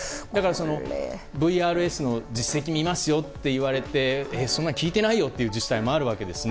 ＶＲＳの実績を見ますよと言われてそんなの聞いてないよという自治体もあるわけですね。